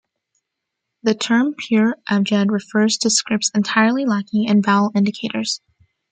The term pure abjad refers to scripts entirely lacking in vowel indicators.